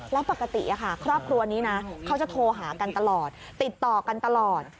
แล้วปกติครอบครัวนี้นะเขาจะโทรหากันตลอดติดต่อกันตลอด